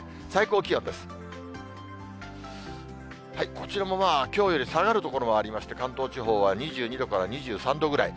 こちらもきょうより下がる所はありまして、関東地方は２２度から２３度ぐらい。